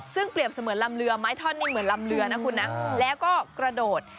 ซึ่งเปรียบเสมือนลำเรือไม้ท่อนนี่เหมือนลำเรือนะคุณนะแล้วก็กระโดด